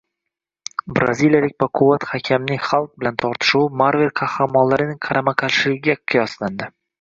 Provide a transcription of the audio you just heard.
Braziliyalik baquvvat hakamning Xalk bilan tortishuvi Marvel qahramonlarining qarama-qarshiligiga qiyoslandi